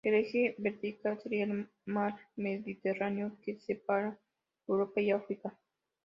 El eje vertical sería el mar Mediterráneo que separa Europa y África.